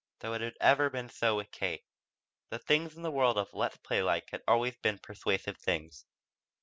Though it had ever been so with Kate. The things in the world of "Let's play like" had always been persuasive things.